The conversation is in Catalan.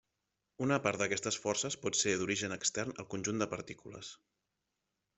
Una part d'aquestes forces pot ser d'origen extern al conjunt de partícules.